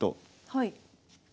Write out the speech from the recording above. はい。